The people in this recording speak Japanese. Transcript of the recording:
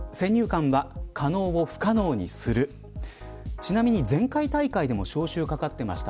ちなみに前回大会でも招集がかかっていました